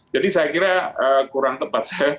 jadi saya kira kurang tepat